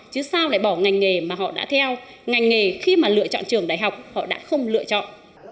chứ sao lại bỏ ngành nghề mà họ đã theo ngành nghề khi mà lựa chọn trường đại học họ đã không lựa chọn